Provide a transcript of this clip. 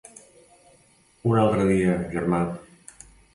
Un altre dia, germà.